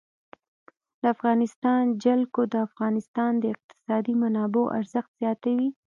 د افغانستان جلکو د افغانستان د اقتصادي منابعو ارزښت زیاتوي.